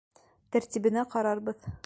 Тәртибенә ҡарарбыҙ.